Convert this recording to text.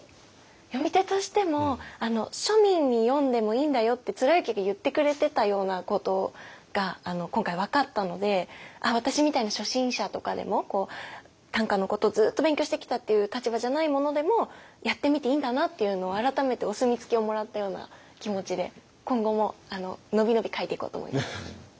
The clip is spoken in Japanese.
詠み手としても庶民に「詠んでもいいんだよ」って貫之が言ってくれてたようなことが今回分かったので私みたいな初心者とかでも短歌のことをずっと勉強してきたっていう立場じゃない者でもやってみていいんだなっていうのを改めてお墨付きをもらったような気持ちで今後ものびのび書いていこうと思います。